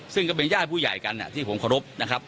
ซึ่งก็เป็นญาติผู้ใหญ่กันที่ผมขอบรับ